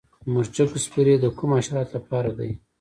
د مرچکو سپری د کومو حشراتو لپاره دی؟